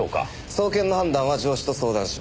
送検の判断は上司と相談します。